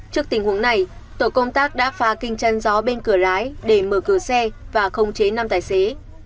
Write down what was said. trước tình huống này tổ công tác đã phá kinh chân gió bên cửa lái để mở cửa xe và không chế năm tài xế